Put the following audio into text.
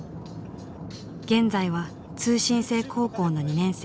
現在は通信制高校の２年生。